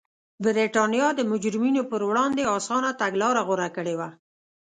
برېټانیا د مجرمینو پر وړاندې اسانه تګلاره غوره کړې وه.